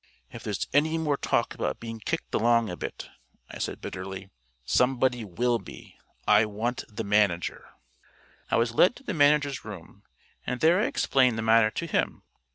"If there's any more talk about being kicked along a bit," I said bitterly, "somebody will be. I want the manager." I was led to the manager's room, and there I explained the matter to him.